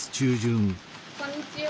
こんにちは。